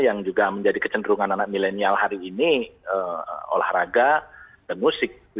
yang juga menjadi kecenderungan anak milenial hari ini olahraga dan musik